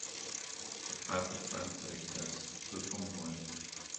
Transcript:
The title translates as The Tomboy.